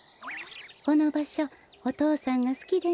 このばしょおとうさんがすきでね